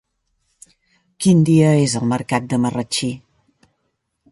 Quin dia és el mercat de Marratxí?